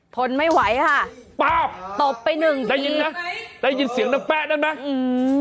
ทนไม่ไหวค่ะป๊าบตบไปหนึ่งได้ยินนะได้ยินเสียงดังแป๊ะนั้นไหมอืม